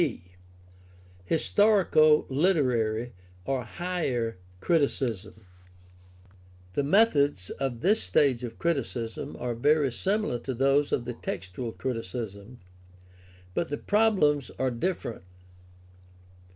b) Historico literary or higher criticism. — The methods of this stage of criticism are very similar to those of the textual criticism, but the problems are different.